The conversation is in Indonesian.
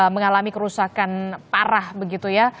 mengalami kerusakan parah begitu ya